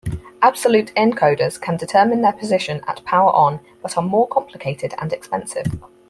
Absolute encoders can determine their position at power-on, but are more complicated and expensive.